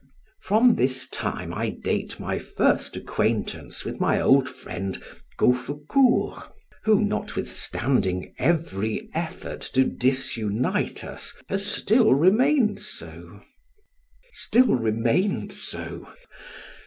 From this time I date my first acquaintance with my old friend Gauffecourt, who, notwithstanding every effort to disunite us, has still remained so. Still remained so!